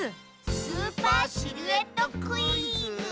スーパーシルエットクイズ？